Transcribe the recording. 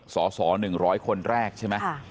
สอหนึ่งร้อยคนแรกใช่ไหม